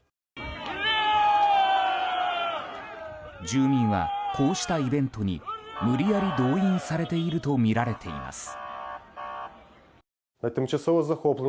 住民は、こうしたイベントに無理やり動員されているとみられています。